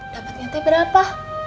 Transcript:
dapatnya teh berapa